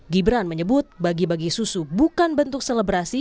gibran menyebut bagi bagi susu bukan bentuk selebrasi